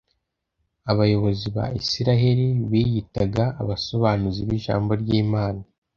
abayobozi ba isiraheli biyitaga abasobanuzi b’ijambo ry’imana